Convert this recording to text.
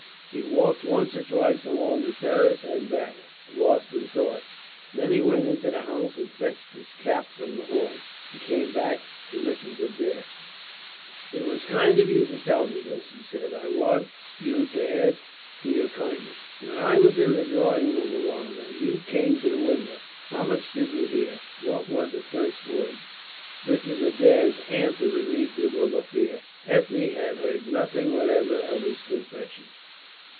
He walked once or twice along the terrace and back, lost in thought. Then he went into the house and fetched his cap from the hall. He came back to Mrs. Adair. "It was kind of you to tell me this," he said. "I want you to add to your kindness. When I was in the drawing room alone and you came to the window, how much did you hear? What were the first words?" Mrs. Adair's answer relieved him of a fear. Ethne had heard nothing whatever of his confession.